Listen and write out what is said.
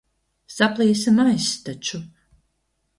Saplīsa maiss taču.